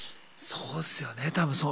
そうですよね多分そう。